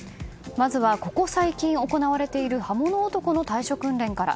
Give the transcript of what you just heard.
まずは、ここ最近行われている刃物男の対処訓練から。